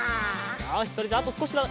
よしそれじゃああとすこしだ。